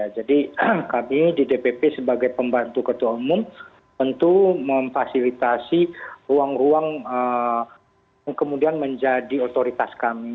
jadi kami di dpp sebagai pembantu ketua umum untuk memfasilitasi ruang ruang yang kemudian menjadi otoritas kami